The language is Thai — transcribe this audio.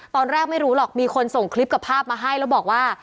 ตอนแรกไม่รู้หรอกมีคนส่งคลิปกับภาพมาให้แล้วบอกว่า